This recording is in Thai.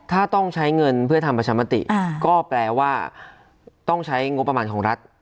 ถ้าต้องใช้เงินเพื่อทำประชามติก็แปลว่าต้องใช้งบประมาณของรัฐ